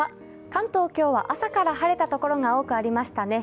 関東、今日は朝から晴れたところが多くありましたね。